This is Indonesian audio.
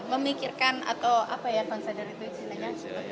memikirkan atau apa ya konsader itu istilahnya